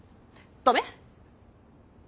ダメ？